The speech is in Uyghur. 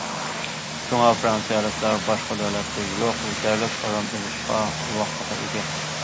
شۇڭا، فىرانسىيەلىكلەر باشقا دۆلەتتە يوق يېتەرلىك ئارام ئېلىشقا ۋاقتىغا ئىگە.